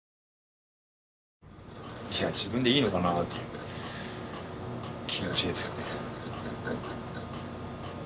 自分でいいのかなという気持ちですよね。